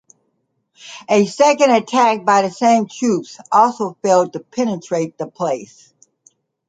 A second attack by the same troops also failed to penetrate the place.